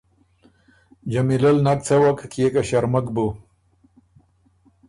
جمیلۀ نک څوَک، کيې که ݭرمک بُو۔